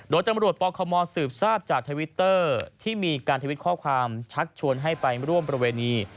โดยตำรวจปคมสืบทราบจากทวิตเตอร์ที่มีการทวิตข้อความชักชวนให้ไปร่วมประเวณี